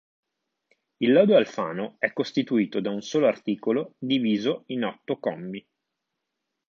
Il lodo Alfano è costituito da un solo articolo diviso in otto commi.